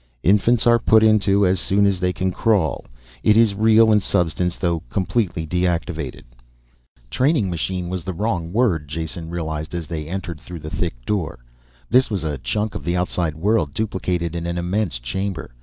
"... Infants are put into as soon as they can crawl. It is real in substance, though completely deactivated." Training machine was the wrong word, Jason realized as they entered through the thick door. This was a chunk of the outside world duplicated in an immense chamber.